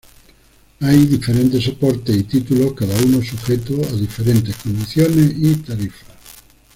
Hay diferentes soportes y títulos, cada uno sujeto a diferentes condiciones y tarifas.